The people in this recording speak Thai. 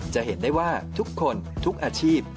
จะเห็นได้ว่าทุกคนทุกอาชีพ